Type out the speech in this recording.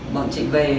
bọn chị về